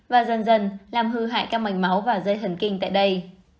và dần dần làm hư hại các mạch máu và dây hẩn kinh tại đây